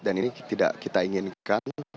dan ini tidak kita inginkan